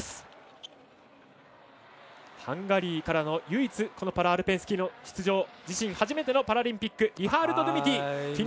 ハンガリーからの唯一パラアルペンスキーの出場自身初めてのパラリンピックリハールド・ドゥミティ。